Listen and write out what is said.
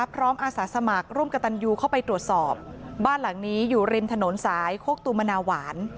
อาสาสมัครร่วมกับตันยูเข้าไปตรวจสอบบ้านหลังนี้อยู่ริมถนนสายโคกตุมนาหวาน